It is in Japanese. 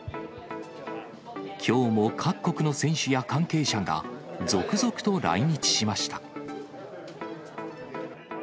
きょうも各国の選手や関係者が、続々と来日しました。